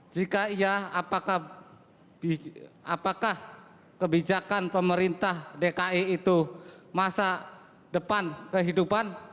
jika iya apakah kebijakan pemerintah dki itu masa depan kehidupan